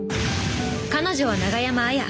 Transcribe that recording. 彼女は永山杏耶。